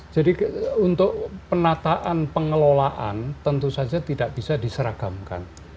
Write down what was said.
jadi untuk penataan pengelolaan tentu saja tidak bisa diseragamkan